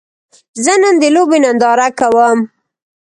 زه نن د لوبې ننداره کوم